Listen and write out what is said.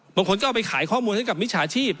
บางคนก็เอาไปขายข้อมูลให้กับมิจฉาชีพ